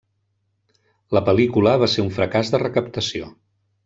La pel·lícula va ser un fracàs de recaptació.